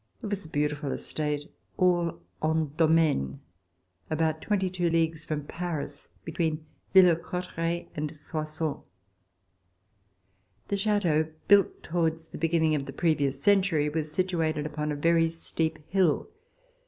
It was a beautiful estate, all en domaines, about twenty two leagues from Paris, between Villers Cotterets and Soissons. The chateau, built towards the beginning of the previous century, was situated upon a very steep hill.